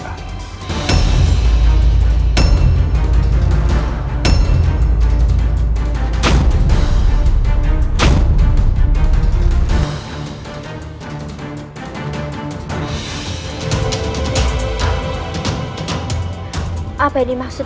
kau benar putra